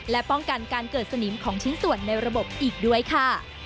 และป้องกันการเกิดสนิมของชิ้นส่วนในระบบอีกด้วยค่ะ